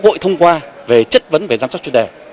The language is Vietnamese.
chúng ta sẽ thông qua về chất vấn về giám sát chuyên đề